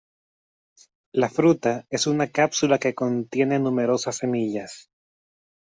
La fruta es una cápsula que contiene numerosas semillas.